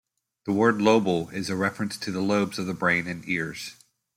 The word "lobal" is a reference to the lobes of the brain and ears.